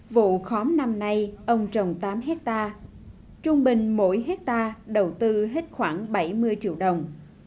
vụ khóm năm nay ông trồng tám hectare trung bình mỗi hectare đầu tư hết khoảng bảy mươi triệu đồng